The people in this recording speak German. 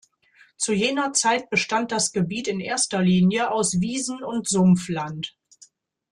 Zu jener Zeit bestand das Gebiet in erster Linie aus Wiesen- und Sumpfland.